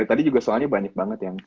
tadi juga soalnya banyak banget yang